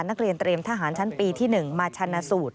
นักเรียนเตรียมทหารชั้นปีที่๑มาชนะสูตร